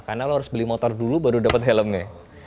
karena lo harus beli motor dulu baru dapat helmnya